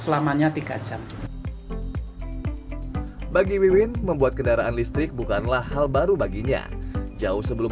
selamanya tiga jam bagi wiwin membuat kendaraan listrik bukanlah hal baru baginya jauh sebelum